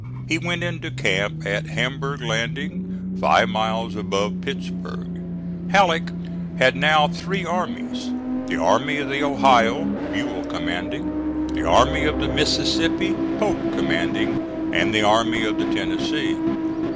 He went into camp at Hamburg landing five miles above Pittsburg. Halleck had now three armies: the Army of the Ohio, Buell commanding; the Army of the Mississippi, Pope commanding; and the Army of the Tennessee.